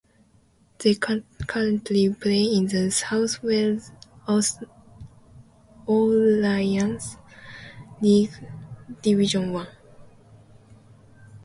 They currently play in the South Wales Alliance League Division One.